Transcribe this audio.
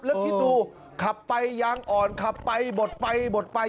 แล้วคิดดูขับไปยางอ่อนขับไปบดไปบดไป